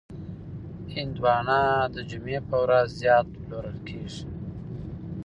هندوانه د جمعې په ورځ زیات پلورل کېږي.